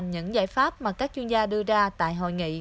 những giải pháp mà các chuyên gia đưa ra tại hội nghị